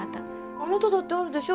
あなただってあるでしょ？